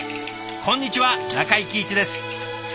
こんにちは中井貴一です。